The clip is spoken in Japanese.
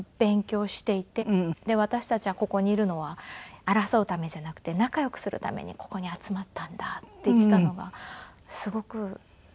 で私たちがここにいるのは争うためじゃなくて仲良くするためにここに集まったんだって言っていたのがすごくすてきで。